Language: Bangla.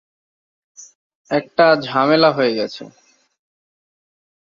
একটা ঝামেলা হয়ে গেছে।